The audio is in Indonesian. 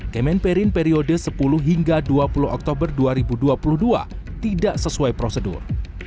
kemenperin periode sepuluh hingga dua puluh oktober dua ribu dua puluh dua tidak sesuai prosedur